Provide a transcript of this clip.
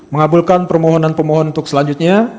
mengabulkan permohonan pemohon untuk selanjutnya